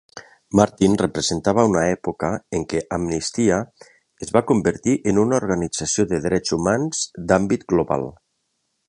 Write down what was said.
Martin representava una època en què Amnistia es va convertir en una organització de drets humans d'àmbit global.